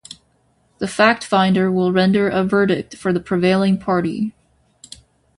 The fact-finder will render a verdict for the prevailing party.